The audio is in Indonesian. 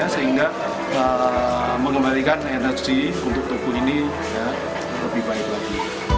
sehingga mengembalikan energi untuk tubuh ini lebih baik lagi